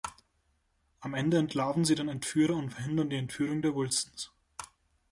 Am Ende entlarven sie den Entführer und verhindern die Entführung der Wilsons.